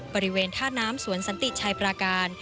บริเวณท่าน้ำสวนสันติชัยปราการ